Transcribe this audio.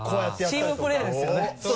そうチームプレーですね。